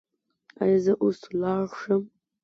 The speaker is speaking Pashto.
ایا زه اوس لاړ شم؟